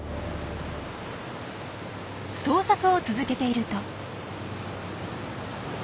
捜索を続けていると。